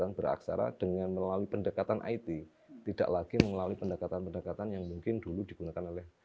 yang beraksara dengan melalui pendekatan it tidak lagi melalui pendekatan pendekatan yang mungkin dulu digunakan oleh